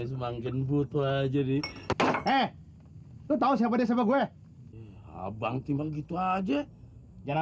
semakin butuh aja nih eh lu tahu siapa deh sama gue abang timbal gitu aja jangan